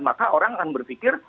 maka orang akan berpikir